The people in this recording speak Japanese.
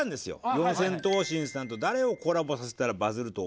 四千頭身さんと誰をコラボさせたらバズると思いますか？